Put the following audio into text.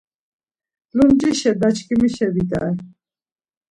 Lumcişe daçkimişe bidare.